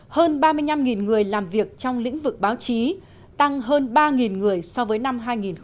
hơn ba mươi năm người làm việc trong lĩnh vực báo chí tăng hơn ba người so với năm hai nghìn một mươi